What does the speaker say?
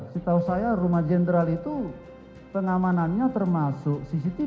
setahu saya rumah jenderal itu pengamanannya termasuk cctv